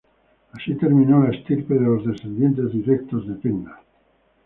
Así terminó la estirpe de los descendientes directos de Penda.